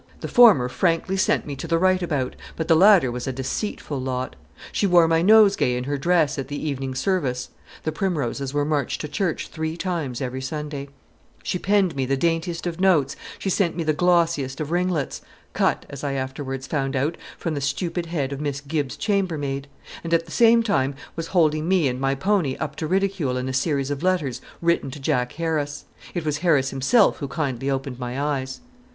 The former frankly sent me to the right about, but the latter was a deceitful lot. She wore my nosegay in her dress at the evening service (the Primroses were marched to church three times every Sunday), she penned me the daintiest of notes, she sent me the glossiest of ringlets (cut, as I afterwards found out, from the stupid head of Miss Gibbs's chamber maid), and at the same time was holding me and my pony up to ridicule in a series of letters written to Jack Harris. It was Harris himself who kindly opened my eyes.